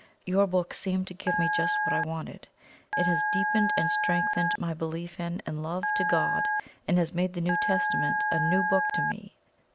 Your book seemed to give me just what I wanted IT HAS DEEPENED AND STRENGTHENED MY BELIEF IN AND LOVE TO GOD AND HAS MADE THE NEW TESTAMENT A NEW BOOK TO ME.